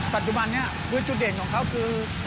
ปัจจุบันนี้คือจุดเด่นของเขาคือ